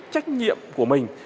trách nhiệm của mình